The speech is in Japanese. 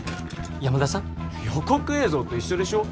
山田さん予告映像と一緒でしょ？